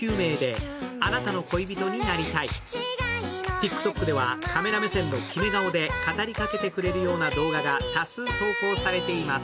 ＴｉｋＴｏｋではカメラ目線のキメ顔で語りかけてくれるような動画が多数投稿されています。